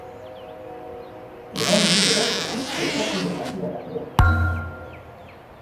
Egonez gero, tentakulu zatiak atera.